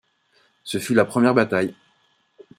Ce fut la première bataille.